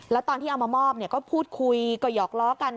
แล้วตอนที่เอามามอบก็พูดคุยก็หยอกล้อกัน